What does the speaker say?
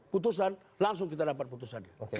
putusan langsung kita dapat putusannya